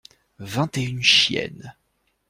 Vingt et une chiennes.